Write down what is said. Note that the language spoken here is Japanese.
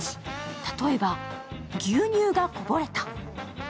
例えば牛乳がこぼれた。